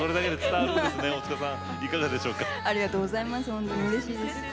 本当にうれしいです。